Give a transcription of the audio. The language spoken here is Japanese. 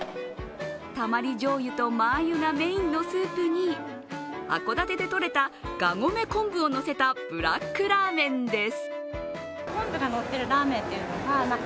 たまりじょうゆとマー油がメインのスープに函館でとれたがごめ昆布をのせたブラックラーメンです。